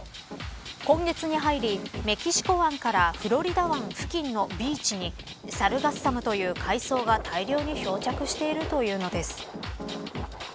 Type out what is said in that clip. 今月に入り、メキシコ湾からフロリダ湾付近のビーチにサルガッサムという海藻が大量に漂着しているというのです。